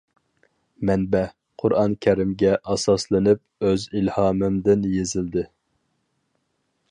مەنبە : قۇرئان كەرىمگە ئاساسلىنىپ ئۆز ئىلھامىمدىن يېزىلدى.